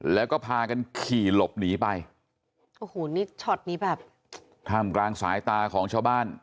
แล้วก็พากันขี่หลบหนีไปโอ้โหนี่ช็อตนี้แบบท่ามกลางสายตาของชาวบ้าน